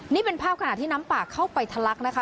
นี่เป็นภาพขณะที่น้ำป่าเข้าไปทะลักนะคะ